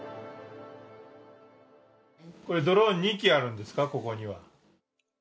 ドローン、２機あるんですか、ここには。